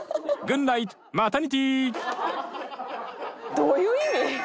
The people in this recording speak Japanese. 「どういう意味？」